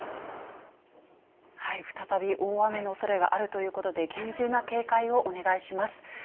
再び大雨のおそれがあるということで、厳重な警戒をお願いします。